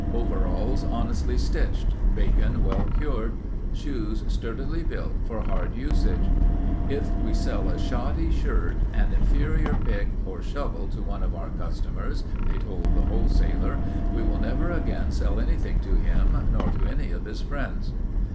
Overalls honestly stitched. Bacon well cured. Shoes sturdily built for hard usage. "If we sell a shoddy shirt, an inferior pick or shovel to one of our customers," they told the wholesaler, "we will never again sell anything to him nor to any of his friends."